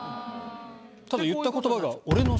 ただ言った言葉が。